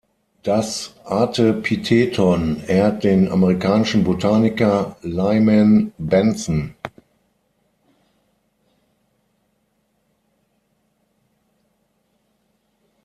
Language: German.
Das Artepitheton ehrt den amerikanischen Botaniker Lyman Benson.